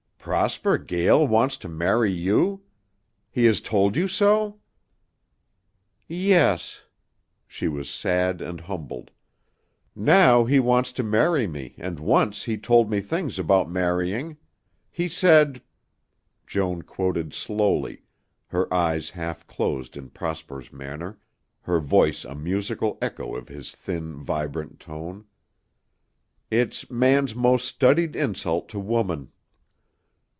"Prosper Gael wants to marry you? He has told you so?" "Yes." She was sad and humbled. "Now he wants to marry me and once he told me things about marrying. He said" Joan quoted slowly, her eyes half closed in Prosper's manner, her voice a musical echo of his thin, vibrant tone "'It's man's most studied insult to woman.'"